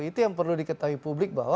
itu yang perlu diketahui publik bahwa